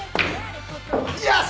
よし！